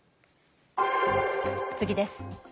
次です。